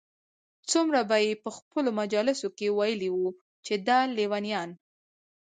څومره به ئې په خپلو مجالسو كي ويلي وي چې دا ليونيان